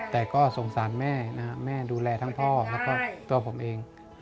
แต่ก็สงสารแม่นะครับแม่ดูแลทั้งพ่อแล้วก็ตัวผมเอง